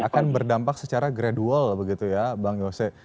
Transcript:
akan berdampak secara gradual begitu ya bang yose